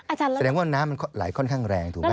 อาจารย์แสดงว่าน้ำมันไหลค่อนข้างแรงถูกมั้ย